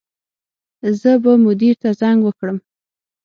زه به مدیر ته زنګ وکړم